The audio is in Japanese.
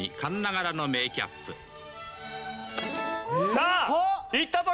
さあいったぞ！